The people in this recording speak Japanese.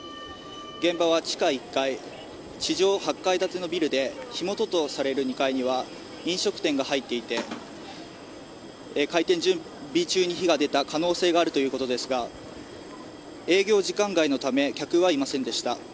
現場は地下１階地上８階建てのビルで火元とされる２階には飲食店が入っていて開店準備中に火が出た可能性があるということですが営業時間外のため客はいませんでした。